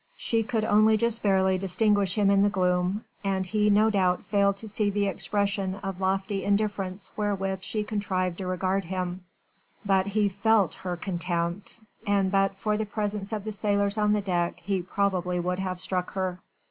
She could only just barely distinguish him in the gloom, and he no doubt failed to see the expression of lofty indifference wherewith she contrived to regard him: but he felt her contempt, and but for the presence of the sailors on the deck he probably would have struck her.